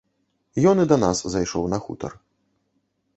Ён і да нас зайшоў на хутар.